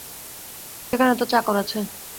সেখানে তো চাকর আছে।